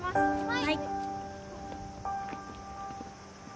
はい。